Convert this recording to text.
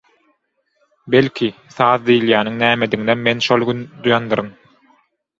Belki, saz diýilýäniň nämediginem men şol gün duýandyryn.